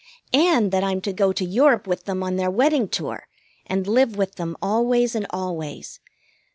And that I'm to go to Europe with them on their wedding tour and live with them always and always.